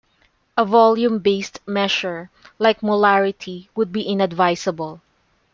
A volume-based measure like molarity would be inadvisable.